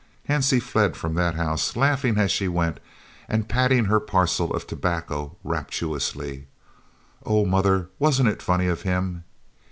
Hansie fled from that house, laughing as she went, and patting her parcel of tobacco rapturously. "Oh, mother, wasn't it funny of him?"